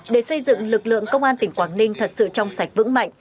để xây dựng lực lượng công an tỉnh quảng ninh thật sự trong sạch vững mạnh